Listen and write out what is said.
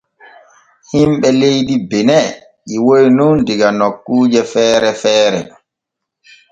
Himɓe leydi Bene ƴiwoy nun diga nokkuuje feere feere.